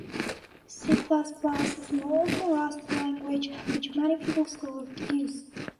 C plus plus is an old and rusty language which many people still use.